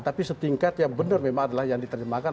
tapi setingkat yang benar memang adalah yang diterjemahkan